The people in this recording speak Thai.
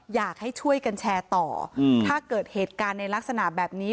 อยากให้ช่วยกันแชร์ต่อถ้าเกิดเหตุการณ์ในลักษณะแบบนี้